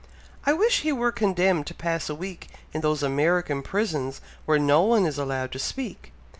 I wish he were condemned to pass a week in those American prisons where no one is allowed to speak.